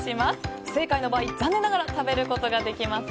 不正解の場合、残念ながら食べることができません。